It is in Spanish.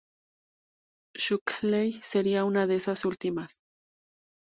Shockley sería una de estas últimas.